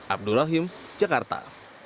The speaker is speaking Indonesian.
abdul rahim jakarta